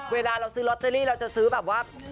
เวลาเราซื้อลอตเตอรี่เราจะซื้อแบบว่า